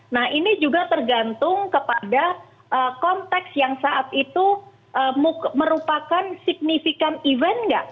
nah ini juga tergantung kepada konteks yang saat itu merupakan signifikan event gak